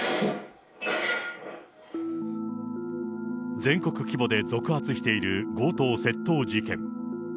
全国規模で続発している強盗・窃盗事件。